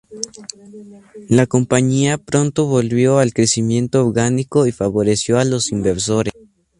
La compañía pronto volvió al crecimiento orgánico y favoreció a los inversores.